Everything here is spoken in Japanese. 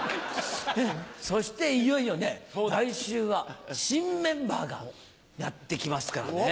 そしていよいよ来週は新メンバーがやって来ますからね。